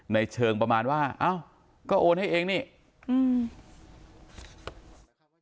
ในเชิงประมาณว่าอ้าวก็โอนให้เองนี่อืม